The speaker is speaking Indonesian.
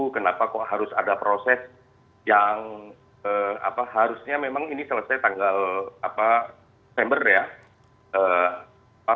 kenapa kok harus ada proses yang harusnya memang ini selesai tanggal september ya